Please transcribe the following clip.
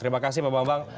terima kasih pak bambang